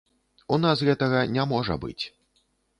У нас гэтага не можа быць.